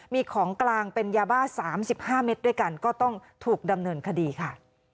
มีของกลางเป็นยาบ้า๓๕เม็ดด้วยกันก็ต้องถูกดำเนินคดีค่ะ